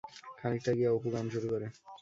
খানিকটা গিয়া অপু গান শুরু করে।